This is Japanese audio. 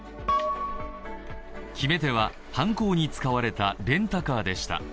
決め手は犯行に使われたレンタカーでした。